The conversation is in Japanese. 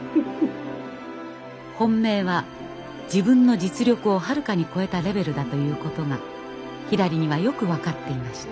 本命は自分の実力をはるかに超えたレベルだということがひらりにはよく分かっていました。